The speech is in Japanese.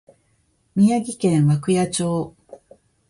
宮城県涌谷町